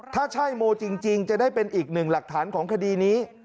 ถ้าใช่โมจริงจะได้เป็นอีกหนึ่งหลักฐานของคดีนี้